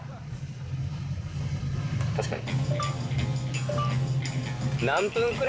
確かに。